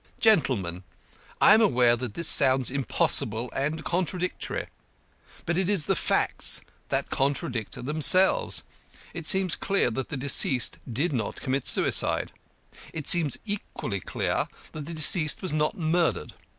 "Gentlemen, I am aware that this sounds impossible and contradictory. But it is the facts that contradict themselves. It seems clear that the deceased did not commit suicide. It seems equally clear that the deceased was not murdered.